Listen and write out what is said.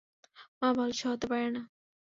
মা বলেছে হতে পারে না।